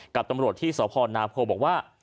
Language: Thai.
กับตำรวจที่สพนาโพบอกว่า